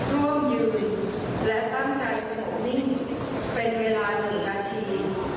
ร่วมยืนและตั้งใจสงบนิ่งเป็นเวลา๑นาที